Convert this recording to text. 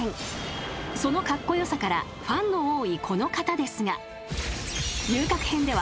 ［そのカッコ良さからファンの多いこの方ですが］